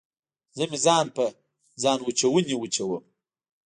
زه مې ځان په ځانوچوني وچوم